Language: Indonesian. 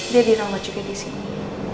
dia dirawat juga disini